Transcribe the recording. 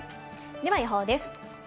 では予報です。